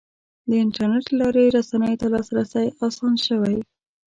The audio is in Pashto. د انټرنیټ له لارې رسنیو ته لاسرسی اسان شوی.